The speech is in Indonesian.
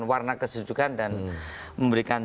warna kesunyukan dan memberikan